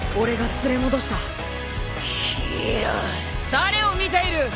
誰を見ている！？